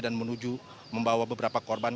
dan menuju membawa beberapa korban